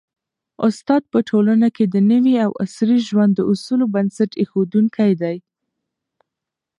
استاد په ټولنه کي د نوي او عصري ژوند د اصولو بنسټ ایښودونکی دی.